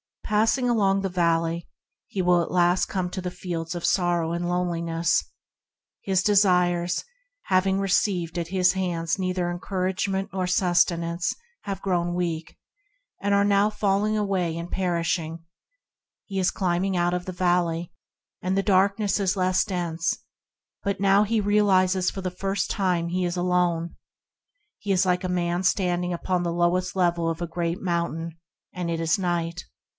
Passing along the Valley, he will at last come to the Fields of Sorrow and Loneli ness. His desires, having received at his hands neither encouragement nor suste nance, have grown weak, and are now 50 ENTERING THE KINGDOM falling away and perishing. He is now climbing out of the Valley, and the darkness is less dense; but now he realizes, for the first time, that he is alone. He is like a man standing at the foot of a great mountain, and it is night.